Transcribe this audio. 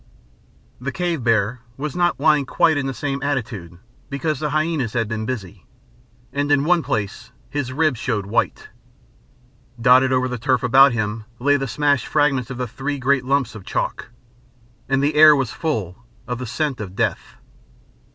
The cave bear was not lying quite in the same attitude, because the hyænas had been busy, and in one place his ribs showed white. Dotted over the turf about him lay the smashed fragments of the three great lumps of chalk. And the air was full of the scent of death.